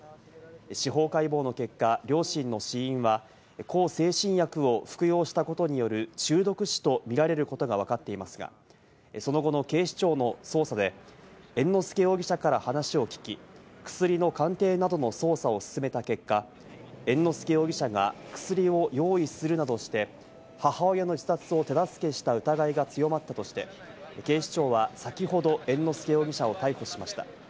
司法解剖の結果、両親の死因は向精神薬を服用したことによる中毒死とみられることがわかっていますが、その後の警視庁の捜査で猿之助容疑者から話を聞き、薬の鑑定などの捜査を進めた結果、猿之助容疑者が薬を用意するなどして、母親の自殺を手助けした疑いが強まったとして警視庁は先ほど猿之助容疑者を逮捕しました。